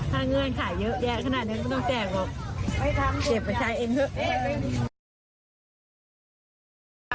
ถ้าเงินขายเยอะแยะขนาดนึงก็ต้องแจกออกเด็บไปใช้เองเถอะ